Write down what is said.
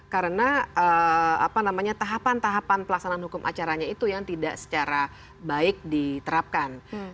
karena tahapan tahapan pelaksanaan hukum acaranya itu yang tidak secara baik diterapkan